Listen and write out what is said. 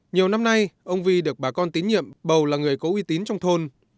nhiều năm nay ông vi được bà con tín nhiệm bầu là người có uy tín trong thôn